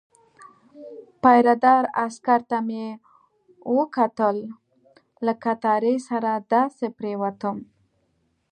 پیره دار عسکر ته مې وکتل، له کټارې سره داسې پرېوتم.